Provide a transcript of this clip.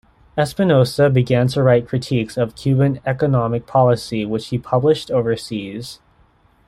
Espinosa began to write critiques of Cuban economic policy which he published overseas.